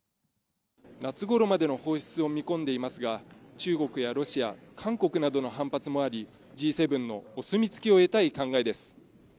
夏ごろまでの放出を見込んでいますが、中国やロシア、韓国などの反発もありＧ７のお墨付きを得たい考えです。